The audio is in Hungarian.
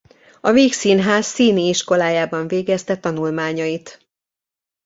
A Vígszínház színiiskolájában végezte tanulmányait.